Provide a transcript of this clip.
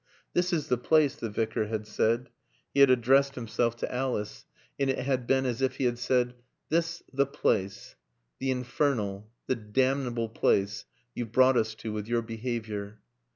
"This is the place," the Vicar had said. He had addressed himself to Alice; and it had been as if he had said, This the place, the infernal, the damnable place, you've brought us to with your behavior.